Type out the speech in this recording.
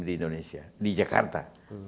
di indonesia di jakarta